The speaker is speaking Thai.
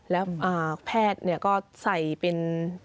แล้วแพทย์ก็ใส่เป็น